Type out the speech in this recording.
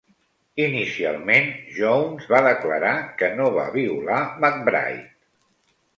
Inicialment, Jones va declarar que no va violar McBride.